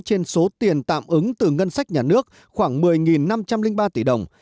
trên số tiền tạm ứng từ ngân sách nhà nước khoảng một mươi năm trăm linh ba tỷ đồng